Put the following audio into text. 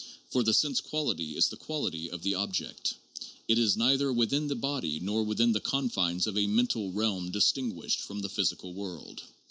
For the sense quality is the quality of the object : it is neither within the body nor within the confines of a mental realm distinguished from the physical world.